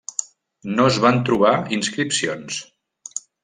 No es van trobar inscripcions.